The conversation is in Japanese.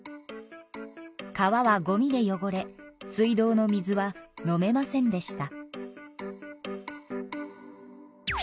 川はゴミでよごれ水道の水は飲めませんでした。